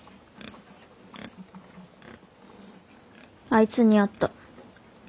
あいつに会った。